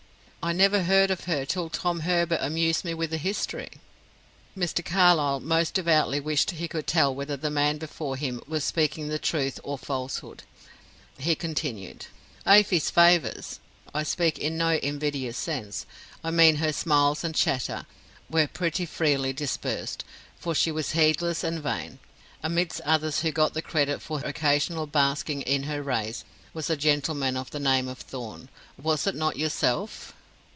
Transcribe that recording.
I never heard of her till Tom Herbert amused me with the history." Mr. Carlyle most devoutly wished he could tell whether the man before him was speaking the truth or falsehood. He continued, "Afy's favors I speak in no invidious sense I mean her smiles and chatter were pretty freely dispersed, for she was heedless and vain. Amidst others who got the credit for occasional basking in her rays, was a gentleman of the name of Thorn. Was it not yourself?"